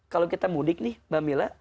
kalau kita mudik nih mbak mila